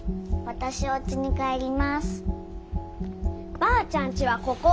ばあちゃんちはここ！